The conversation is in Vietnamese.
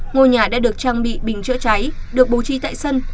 ngôi nhà đã được trang bị bình chữa cháy được bố trí tại sân